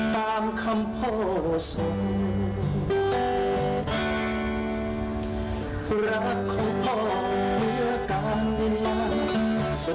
ตามคำโพธิ์ส่งรักของพ่อเพื่อการเงียบ